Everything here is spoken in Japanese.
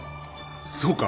そうか？